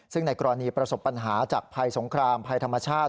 ซึ่งในกรณีประสบปัญหาจากภัยสงครามภัยธรรมชาติ